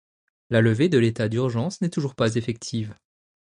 La levée de l’état d'urgence n’est toujours pas effective.